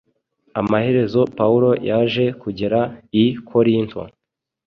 amaherezo Pawulo yaje kugera i Korinto;